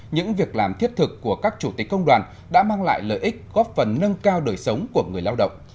những việc làm thiết thực của các chủ tịch công đoàn đã mang lại lợi ích góp phần nâng cao đời sống của người lao động